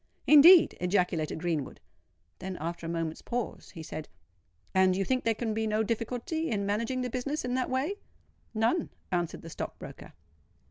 "Indeed!" ejaculated Greenwood: then, after a moment's pause, he said, "And you think there can be no difficulty in managing the business in that way?" "None," answered the stock broker.